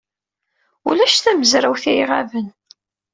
Ulac tamezrawt ay iɣaben.